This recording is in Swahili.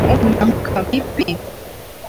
Umeamka vipi?